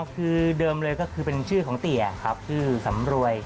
คือเดิมเลยก็คือเป็นชื่อของเตี๋ยครับชื่อสำรวย